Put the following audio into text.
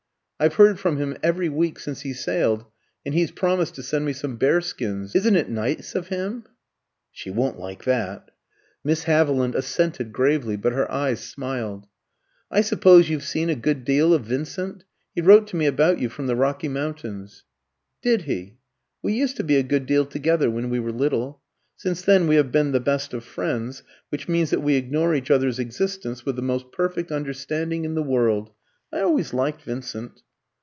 I've heard from him every week since he sailed, and he's promised to send me some bearskins. Isn't it nice of him?" ("She won't like that!") Miss Haviland assented gravely, but her eyes smiled. "I suppose you've seen a good deal of Vincent? He wrote to me about you from the Rocky Mountains." "Did he? We used to be a good deal together when we were little. Since then we have been the best of friends, which means that we ignore each other's existence with the most perfect understanding in the world. I always liked Vincent."